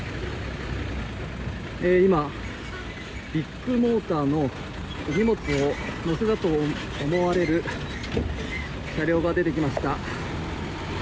今、ビッグモーターの荷物を載せたと思われる車両が出てきました。